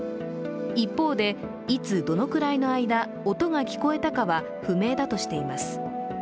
一方で、いつ、どのくらいの間音が聞こえたかは不明だとしています。